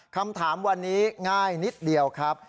คำถามวันนี้นิดง่ายครับ